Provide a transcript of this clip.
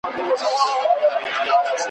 د دې ښار اجل راغلی مرګي کور پکښي اوډلی ,